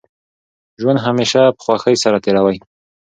ژوند همېشه په خوښۍ سره تېروئ!